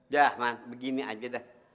ya man begini aja deh